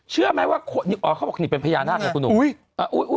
เชื่อไหมว่าอ๋อเขาบอกนี่เป็นพญานาคไงคุณหนุ่ม